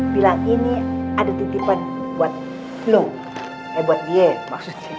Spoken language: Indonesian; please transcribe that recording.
bilang ini ada titipan buat lo eh buat dia maksudnya